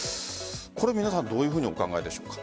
皆さんどういうふうにお考えでしょうか。